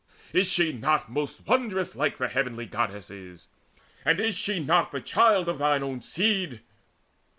is she not Most wondrous like the heavenly Goddesses? And is she not the child of thine own seed?